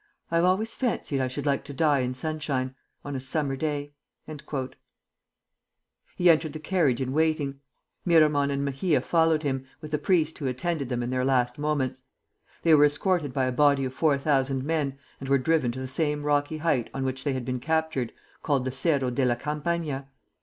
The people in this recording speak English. I have always fancied I should like to die in sunshine, on a summer day." He entered the carriage in waiting. Miramon and Mejia followed him, with the priest who attended them in their last moments. They were escorted by a body of four thousand men, and were driven to the same rocky height on which they had been captured, called the Cerro della Campana.